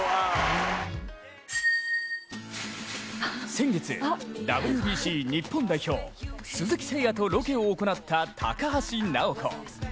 先月、ＷＢＣ日本代表、鈴木誠也とロケを行った高橋尚子。